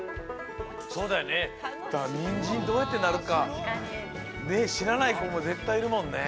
そうだよねだからにんじんどうやってなるかしらない子もぜったいいるもんね。